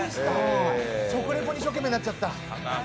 食リポに一生懸命になっちゃった。